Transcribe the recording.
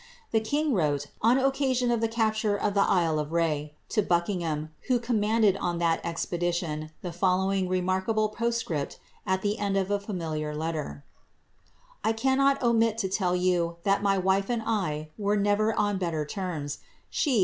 The king wrote, on occasion of the capture of the Isle of Rh^, to Buckingham, who commanded on that expedition, the follow ing remarkable postscript at the end of a familiar letter :^ I cannot omit to tell you, that my wife and I were never on better terms ; she, upon * MS.